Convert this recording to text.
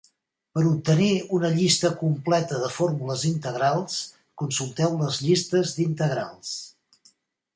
Per obtenir una llista completa de fórmules integrals, consulteu les llistes d'integrals.